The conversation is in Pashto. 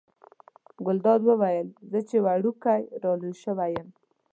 ګلداد وویل زه چې وړوکی را لوی شوی یم.